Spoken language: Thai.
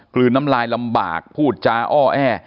ลืนน้ำลายลำบากพูดจาอ้อแอ